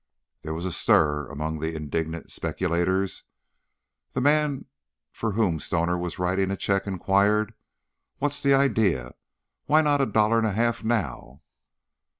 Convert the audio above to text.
There was a stir among the indignant speculators; the man for whom Stoner was writing a check inquired: "What's the idea? Why not a dollar and a half now?"